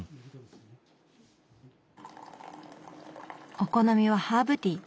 お好みはハーブティー